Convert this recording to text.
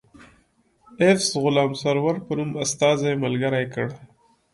ایفز غلام سرور په نوم استازی ملګری کړ.